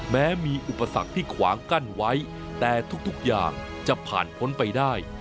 แม้มีอุปสรรคที่ขวางกั้นไว้แต่ทุกอย่างจะผ่านพ้นไปได้